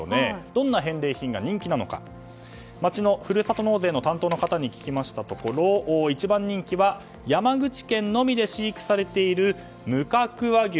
どんな返礼品が人気なのか町のふるさと納税の担当の方に聞きましたところ一番人気は山口県のみで飼育されている無角和牛。